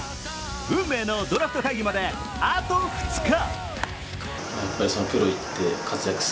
運命のドラフト会議まであと２日。